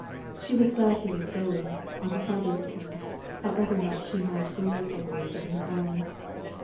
She was glad he was going, on her father's account, however much she might grieve over it on her own.